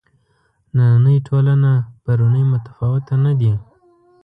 نننۍ ټولنه پرونۍ متفاوته نه دي.